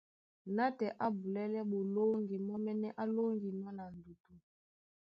Nátɛɛ á bulɛ́lɛ́ ɓolóŋgi mɔ́mɛ́nɛ́ á lóŋginɔ́ na ndutu,